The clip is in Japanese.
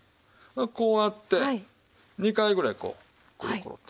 こうやって２回ぐらいこうコロコロと。